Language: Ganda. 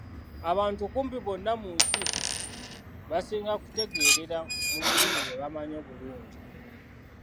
Abantu kumpi bonna mu nsi basinga kutegeerera mu lulimi lwe bamanyi obulungi.